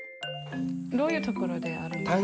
どういう所であるんですか？